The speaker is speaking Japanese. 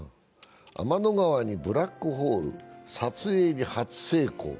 天の川にブラックホール、撮影に初成功。